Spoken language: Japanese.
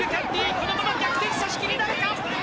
このまま逆転差し切りなるか？